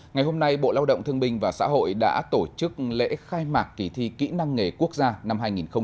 ngày hôm nay bộ lao động thương binh và xã hội đã tổ chức lễ khai mạc kỳ thi kỹ năng nghề quốc gia năm hai nghìn hai mươi